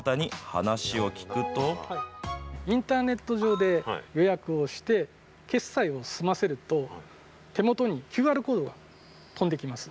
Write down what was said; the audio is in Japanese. インターネット上で予約をして、決済を済ませると、手元にＱＲコードが飛んできます。